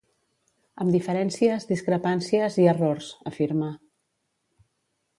Amb diferències, discrepàncies i errors, afirma.